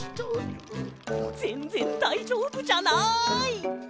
ぜんぜんだいじょうぶじゃない！